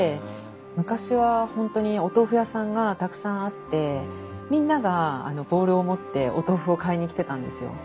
昔は本当にお豆腐屋さんがたくさんあってみんながボウルを持ってお豆腐を買いに来てたんですよ。